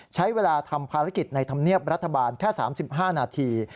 ใช้เวลาทำภารกิจในธรรมเนียบรัฐบาลแค่๓๕นาที